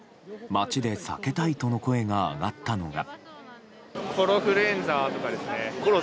街で避けたいとの声が上がったのが。